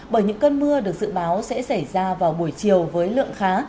bởi những cơn mưa được dự báo sẽ xảy ra vào buổi chiều với lượng khá